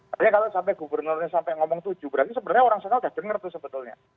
artinya kalau sampai gubernurnya sampai ngomong tujuh berarti sebenarnya orang sana sudah dengar tuh sebetulnya